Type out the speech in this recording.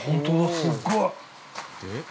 すっごい